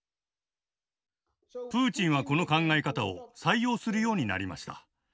プーチンはこの考え方を採用するようになりました。